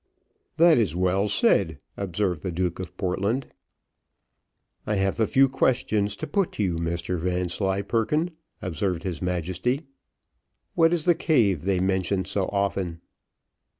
"That is well said," observed the Duke of Portland. "I have a few questions to put to you, Mr Vanslyperken," observed his Majesty. "What is the cave they mention so often?"